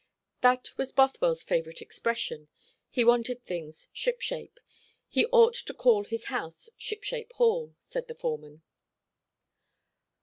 That was Bothwell's favourite expression. He wanted things ship shape. "He ought to call his house Ship shape Hall," said the foreman.